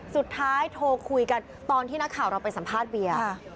สุดท้ายโทรคุยกันตอนที่นักข่าวเราไปสัมภาษณ์เบียร์